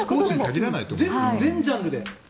全ジャンルで。